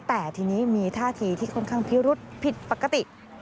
แต่ทีนี้มีท่าทีที่ค่อนข้างพิรุษผิดปกติ